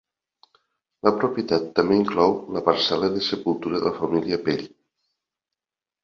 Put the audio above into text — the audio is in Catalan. La propietat també inclou la parcel·la de sepultura de la família Pell.